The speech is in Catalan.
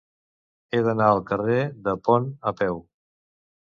He d'anar al carrer del Pont a peu.